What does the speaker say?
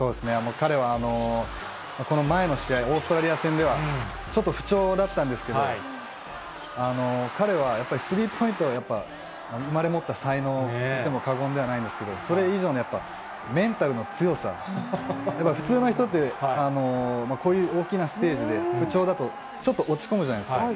彼はこの前の試合、オーストラリア戦では、ちょっと不調だったんですけど、彼はやっぱりスリーポイントはやっぱ生まれ持った才能といっても過言ではないんですけど、それ以上にやっぱりメンタルの強さ、普通の人って、こういう大きなステージで不調だと、ちょっと落ち込むじゃないですか。